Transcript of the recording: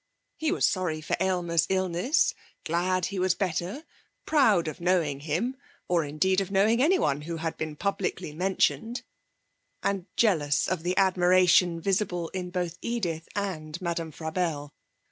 He was sorry for Aylmer's illness, glad he was better, proud of knowing him, or, indeed, of knowing anyone who had been publicly mentioned; and jealous of the admiration visible in both Edith and Madame Frabelle.